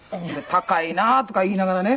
「高いな」とか言いながらね。